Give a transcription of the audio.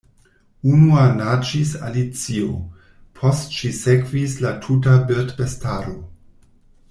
Unua naĝis Alicio; post ŝi sekvis la tuta birdbestaro.